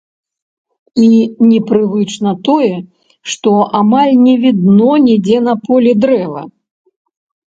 І непрывычна тое, што амаль не відно нідзе на полі дрэва.